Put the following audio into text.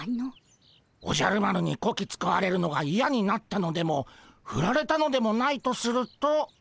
おじゃる丸にこき使われるのがいやになったのでもふられたのでもないとすると。